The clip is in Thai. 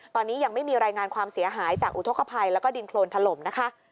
ตอนนี้ยังไม่มีรายงานความเสียหายจากอุทธกภัยแล้วก็ดินโครนถล่มนะคะ